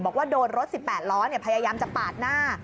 บอกว่าโดนรถ๑๘ล้อพยายามจะปาดหน้า